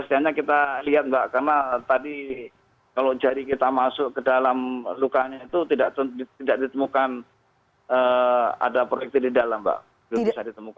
pastianya kita lihat mbak karena tadi kalau jari kita masuk ke dalam lukanya itu tidak ditemukan ada proyeksi di dalam mbak